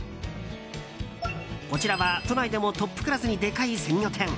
こちらは都内でもトップクラスにでかい鮮魚店。